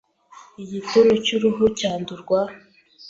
Igituntu cy’uruhu cyandurwa